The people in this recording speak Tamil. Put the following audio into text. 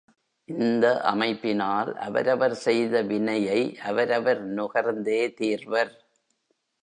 இந்த அமைப்பினால், அவரவர் செய்த வினையை அவரவர் நுகர்ந்தே தீர்வர்.